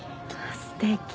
すてき。